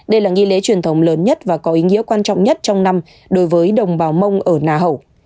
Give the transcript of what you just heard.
đây là nghi lễ truyền thống lớn nhất và có ý nghĩa quan trọng nhất trong năm đối với đồng bào mông ở nà hẩu